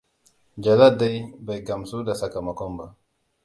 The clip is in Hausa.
Jalal dai bai gamsu da sakamakon ba.